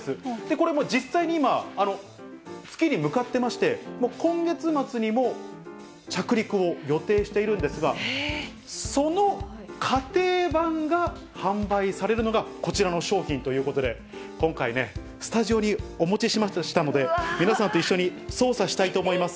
これもう実際に今、月に向かってまして、今月末にも着陸を予定しているんですが、その家庭版が販売されるのがこちらの商品ということで、今回ね、スタジオにお持ちしたので、皆さんと一緒に操作したいと思います。